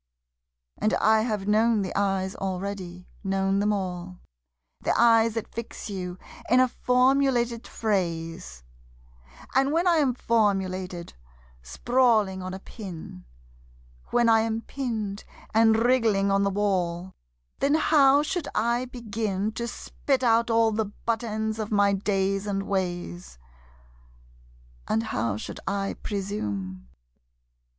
And I have known the eyes already, known them all The eyes that fix you in a formulated phrase, And when I am formulated, sprawling on a pin, When I am pinned and wriggling on the wall, Then how should I begin To spit out all the butt ends of my days and ways? And how should I presume?